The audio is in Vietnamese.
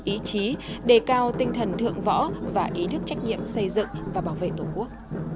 ý chí đề cao tinh thần thượng võ và ý thức trách nhiệm xây dựng và bảo vệ tổ quốc